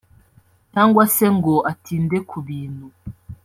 cyangwa se ngo atinde ku bintu